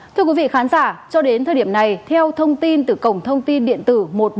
thưa quý vị khán giả cho đến thời điểm này theo thông tin từ cổng thông tin điện tử một nghìn bốn trăm linh